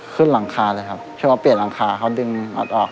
ขึ้นหลังคาเลยครับคือเขาเปลี่ยนหลังคาเขาดึงอัดออก